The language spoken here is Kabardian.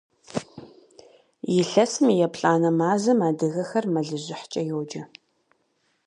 Илъэсым и еплӀанэ мазэм адыгэхэр мэлыжьыхькӀэ йоджэ.